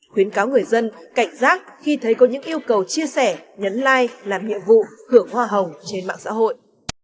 khuyến cáo người dân cảnh giác khi thấy có những yêu cầu chia sẻ nhấn like làm nhiệm vụ hưởng hoa hồng trên mạng xã hội